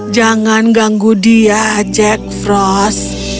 jangan ganggu dia cek frost